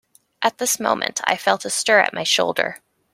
At this moment I felt a stir at my shoulder.